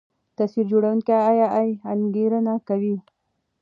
تصویر جوړوونکی اې ای انګېرنه کوي.